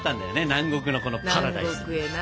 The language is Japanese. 南国のこのパラダイスに。